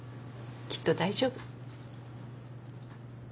きっと大丈夫。